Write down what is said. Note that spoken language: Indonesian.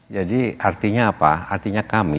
jadi artinya apa artinya kami